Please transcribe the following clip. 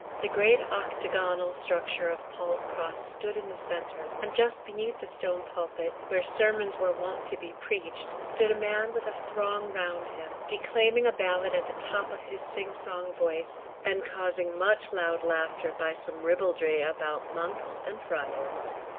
The great octagonal structure of Paul's Cross stood in the centre, and just beneath the stone pulpit, where the sermons were wont to be preached, stood a man with a throng round him, declaiming a ballad at the top of his sing song voice, and causing much loud laughter by some ribaldry about monks and friars.